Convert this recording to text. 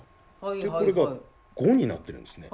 これが５になってるんですね。